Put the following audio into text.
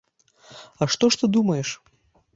А што ж ты думаеш?